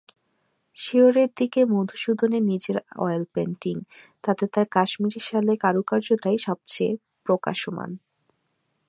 শিয়রের দিকে মধুসূদনের নিজের অয়েলপেন্টিং, তাতে তার কাশ্মীরি শালের কারুকার্যটাই সব চেয়ে প্রকাশমান।